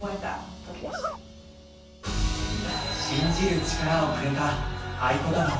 信じる力をくれた愛ことば。